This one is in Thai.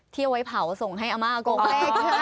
เที่ยวไว้เผาส่งให้อามากล่องเฟลค